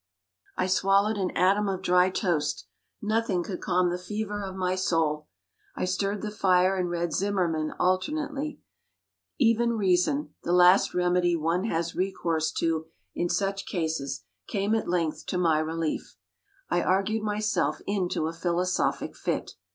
I swallowed an atom of dry toast nothing could calm the fever of my soul. I stirred the fire and read Zimmermann alternately. Even reason the last remedy one has recourse to in such cases came at length to my relief: I argued myself into a philosophic fit.